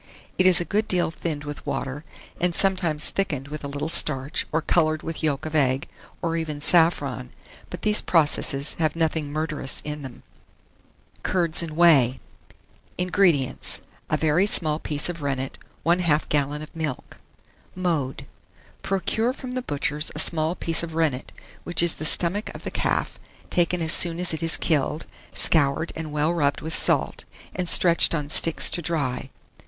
It is a good deal thinned with water, and sometimes thickened with a little starch, or colored with yolk of egg, or even saffron; but these processes have nothing murderous in them. CURDS AND WHEY. 1629. INGREDIENTS. A very small piece of rennet, 1/2 gallon of milk. Mode. Procure from the butcher's a small piece of rennet, which is the stomach of the calf, taken as soon as it is killed, scoured, and well rubbed with salt, and stretched on sticks to dry.